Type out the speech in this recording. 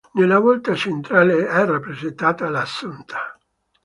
Nella volta centrale è rappresentata l"'Assunta.